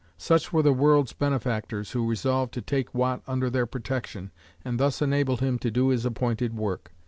Such were the world's benefactors, who resolved to take Watt under their protection, and thus enabled him to do his appointed work.